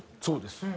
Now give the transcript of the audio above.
そうです。